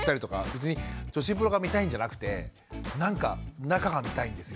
別に女子風呂が見たいんじゃなくてなんか中が見たいんですよ。